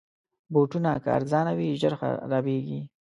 بوټونه که ارزانه وي، ژر خرابیږي.